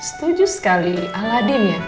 setuju sekali aladin ya